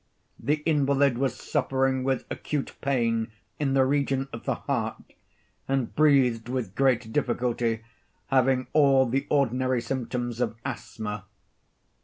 The invalid was suffering with acute pain in the region of the heart, and breathed with great difficulty, having all the ordinary symptoms of asthma.